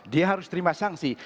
dia harus terima sanksi